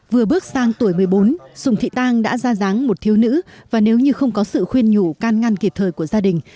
vừa bước sang tuổi một mươi bốn sùng thị tang đã ra ráng một thiếu nữ và nếu như không có sự khuyên nhủ can ngăn kịp thời của gia đình